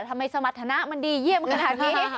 ทำไมสมรรถนะมันดีเยี่ยมขนาดนี้